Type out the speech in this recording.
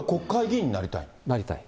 なりたい。